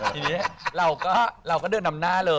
ทีนี้เราก็เดินนำหน้าเลย